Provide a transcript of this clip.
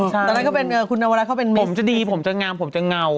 ใช่ตอนนั้นเขาเป็นคุณนวรรค์เข้าเป็นผมจะดีผมจะงามผมจะเงา